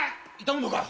痛むのか？